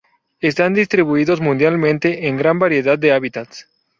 Están distribuidos mundialmente en gran variedad de hábitats.